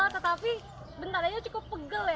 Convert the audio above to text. tetapi bentadanya cukup pegel ya